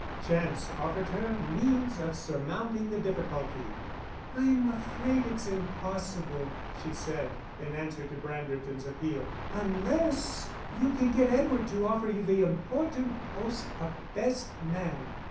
Chance offered her means of surmounting the difficulty. "I'm afraid it's impossible," she said, in answer to Branderton's appeal, "unless you can get Edward to offer you the important post of best man."